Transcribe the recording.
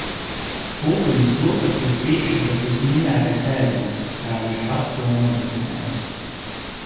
Pupiņu zupa ir Pičuka vismīļākais ēdiens, kā viņš pats to nodefinējis.